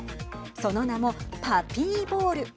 その名もパピーボウル。